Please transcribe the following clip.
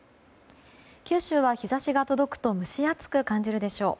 九州は日差しが届くと蒸し暑く感じるでしょう。